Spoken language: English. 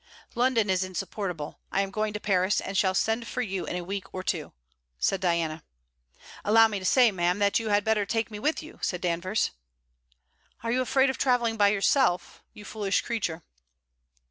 'London is insupportable; I am going to Paris, and shall send for you in a week or two,' said Diana. 'Allow me to say, ma'am, that you had better take me with you,' said Danvers. 'Are you afraid of travelling by yourself, you foolish creature?'